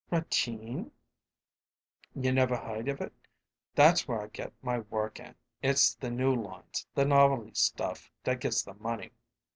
"Ratine?" "You never heard of it? That's where I get my work in it's the new lines, the novelty stuff, that gets the money."